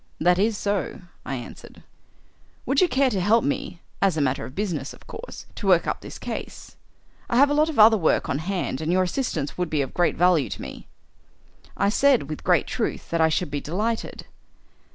"That is so," I answered. "Would you care to help me as a matter of business, of course to work up this case? I have a lot of other work on hand and your assistance would be of great value to me." I said, with great truth, that I should be delighted.